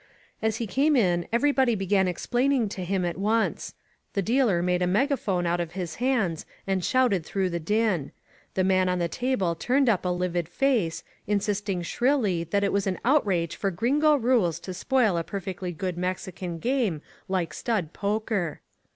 As he came in everybody began ex plaining to him at once. The dealer made a megaphone out of his hands and shouted through the din ; the man on the table turned up a livid face, insisting shrilly that it was an outrage for Gringo rules to spoil a per fectly good Mexican game like stud poker.